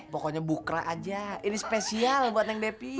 pokoknya bukra aja ini spesial buat neng bebi